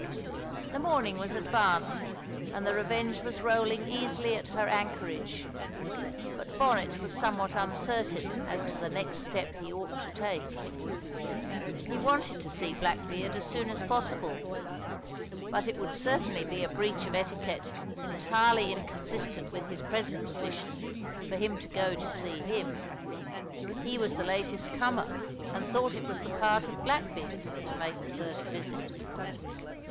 The morning was advanced and the Revenge was rolling easily at her anchorage, but Bonnet was somewhat uncertain as to the next step he ought to take. He wanted to see Blackbeard as soon as possible, but it would certainly be a breach of etiquette entirely inconsistent with his present position for him to go to see him. He was the latest comer, and thought it was the part of Blackbeard to make the first visit.